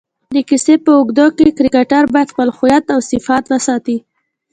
د کیسې په اوږدو کښي کرکټرباید خپل هویت اوصفات وساتي.